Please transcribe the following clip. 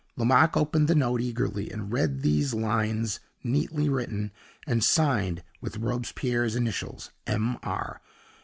Lomaque opened the note eagerly and read these lines neatly written, and signed with Robespierre's initials M. R.